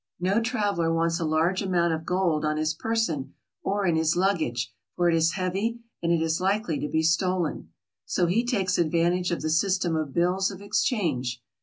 No traveler wants a large amount of gold on his per son or in his luggage, for it is heavy and it is likely to be stolen. So he takes advantage of the system of bills of ex change.